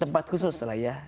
tempat khusus lah ya